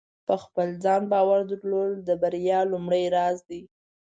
په خپل ځان باور درلودل د بریا لومړۍ راز دی.